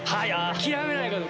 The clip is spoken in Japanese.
諦めないこと。